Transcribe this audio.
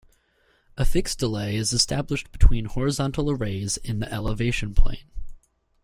A fixed delay is established between horizontal arrays in the elevation plane.